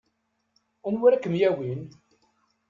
Anwa ara kem-yawin?